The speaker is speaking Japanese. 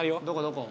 どこ？